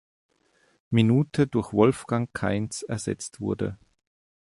Minute durch Wolfgang Kainz ersetzt wurde.